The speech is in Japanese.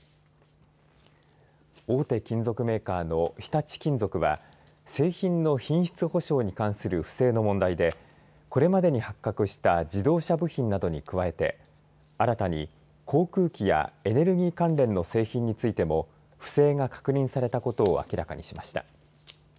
大手金属メーカーの日立金属は製品の品質保証に関する不正の問題でこれまでに発覚した自動車部品などに加えて新たに航空機やエネルギー関連の製品についても不正が確認されたことを明らかにしました。